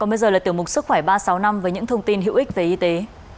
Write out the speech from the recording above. còn bây giờ là tiểu mục sức khỏe ba trăm sáu mươi năm với những thông tin hữu ích về y tế